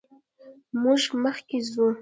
موږ مخکې ځو.